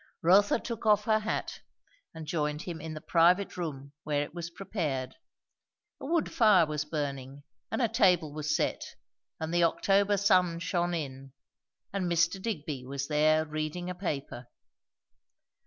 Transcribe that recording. Rotha took off her hat and joined him in the private room where it was prepared. A wood fire was burning, and a table was set, and the October sun shone in, and Mr. Digby was there reading a paper.